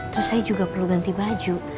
terus saya juga perlu ganti baju